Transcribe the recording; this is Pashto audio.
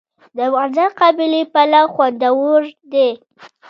د افغانستان قابلي پلاو خوندور دی